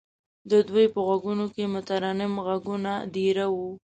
د دوی په غوږونو کې مترنم غږونه دېره وو.